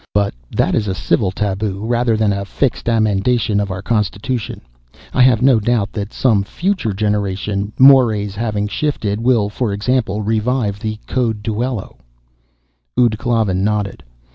But that is a civil taboo, rather than a fixed amendation of our constitution. I have no doubt that some future generation, morés having shifted, will, for example, revive the code duello." Ud Klavan nodded.